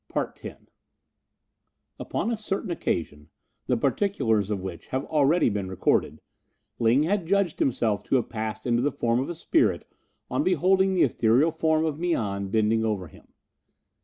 CHAPTER X Upon a certain occasion, the particulars of which have already been recorded, Ling had judged himself to have passed into the form of a spirit on beholding the ethereal form of Mian bending over him.